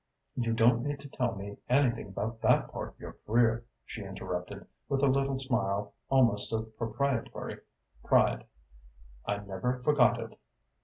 "You don't need to tell me anything about that part of your career," she interrupted, with a little smile almost of proprietory pride. "I never forget it."